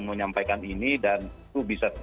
menyampaikan ini dan itu bisa